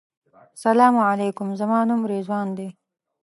سلام علیکم زما نوم رضوان دی.